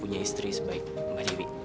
punya istri sebaik mbak dewi